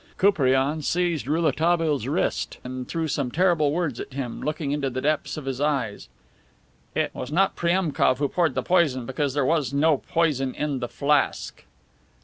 Koupriane seized Rouletabille's wrist and threw some terrible words at him, looking into the depths of his eyes: "It was not Priemkof who poured the poison, because there was no poison in the flask."